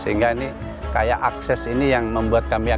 sehingga ini kayak akses ini yang membuat kami yakin